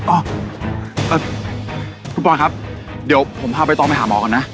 เออเออพี่ปอนครับเดี๋ยวผมพาไปตามมันมาน่ะ